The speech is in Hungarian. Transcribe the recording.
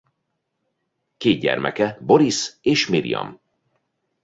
Két gyermeke Borisz és Mirijam.